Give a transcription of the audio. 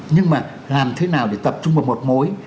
nhưng mà làm thế nào để tập trung vào một mối